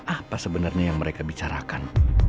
apa sebenarnya yang mereka bicarakan